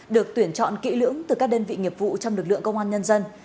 được tuyển chọn kỹ lưỡng từ các đơn vị nghiệp vụ trong lực lượng công an nhân dân